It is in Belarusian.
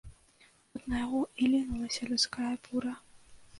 Тут на яго і лінулася людская бура.